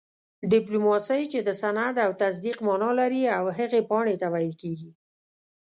ډيپلوماسۍ چې د سند او تصديق مانا لري او هغې پاڼي ته ويل کيږي